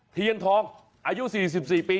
เทียนทองอายุ๔๔ปี